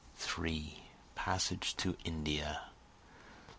3 Passage to India!